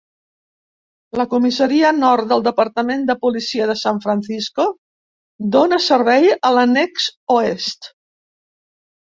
La comissaria nord del Departament de Policia de San Francisco dona servei a l'annex oest.